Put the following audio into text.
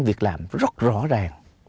việc làm rất rõ ràng